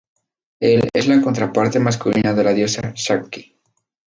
Él es la contraparte masculina de la diosa Shakti.